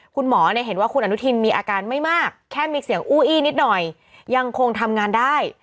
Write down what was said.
คุณหมอเห็นว่าคุณอนุทินมีอาการไม่มากแค่มีเสียงอู้อี้นิดหน่อยยังคงทำงานได้